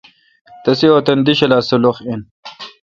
تسے° وطن دی ڄھلا سلُوخ این۔